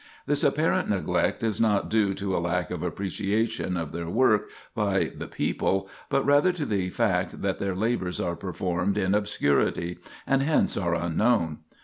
This apparent neglect is not due to a lack of appreciation of their work by the people, but rather to the fact that their labors are performed in obscurity, and hence are unknown.